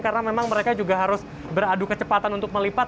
karena memang mereka juga harus beradu kecepatan untuk melipat